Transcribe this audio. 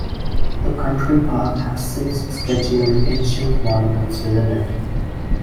The country park has six Scheduled Ancient Monuments within it.